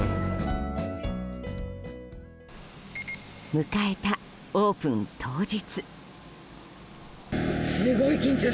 迎えたオープン当日。